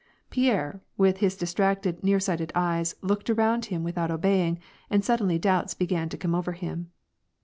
Pierre, with his distracted, nearsighted eyes, looked around him without obeying, and suddenly doubts began to come over him.